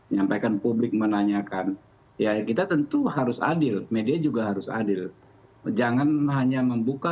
nyampaikan publik menanyakan ya kita tentu harus adil media juga harus adil jangan hanya membuka